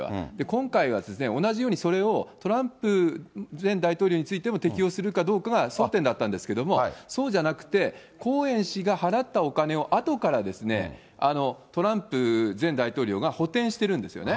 今回は同じようにそれをトランプ前大統領についても適用するかどうかが争点だったんですけど、そうじゃなくて、コーエン氏が払ったお金を後からトランプ前大統領が補填してるんですよね。